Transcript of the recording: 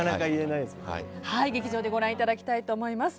劇場でご覧いただきたいと思います。